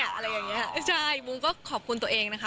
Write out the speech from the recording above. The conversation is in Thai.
อะไรอย่างเงี้ยไม่ใช่บูมก็ขอบคุณตัวเองนะคะ